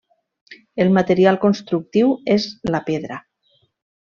El material constructiu és la pedra.